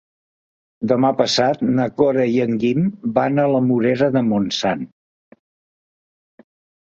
Demà passat na Cora i en Guim van a la Morera de Montsant.